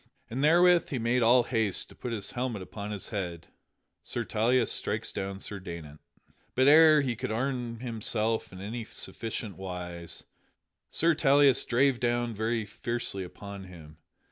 And therewith he made all haste to put his helmet upon his head. [Sidenote: Sir Tauleas strikes down Sir Daynant] But ere he could arm himself in any sufficient wise, Sir Tauleas drave down very fiercely upon him.